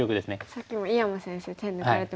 さっきも井山先生手抜かれてましたもんね。